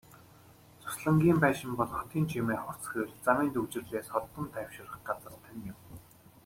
Зуслангийн байшин бол хотын чимээ, хурц гэрэл, замын түгжрэлээс холдон тайвшрах газар тань юм.